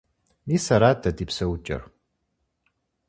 Мис арат дэ ди псэукӀэр.